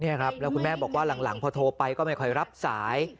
นี่ครับแล้วคุณแม่บอกว่าหลังพอโทรไปก็ไม่ค่อยรับสาย